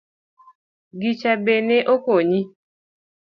Gicha be ne okonyi?